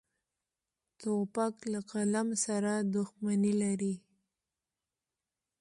توپک له قلم سره دښمني لري.